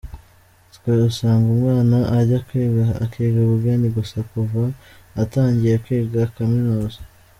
Twe usanga umwana ajya kwiga akiga ubugeni gusa kuva atangiye kwiga akaminuza.